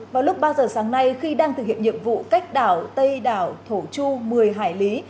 vào lúc ba giờ sáng nay khi đang thực hiện nhiệm vụ cách đảo tây đảo thổ chu một mươi hải lý